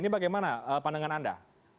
ini bagaimana pandangan anda